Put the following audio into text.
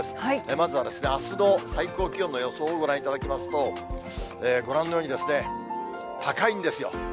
まずはあすの最高気温の予想をご覧いただきますと、ご覧のように、高いんですよ。